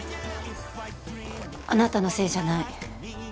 あなたのせいじゃない。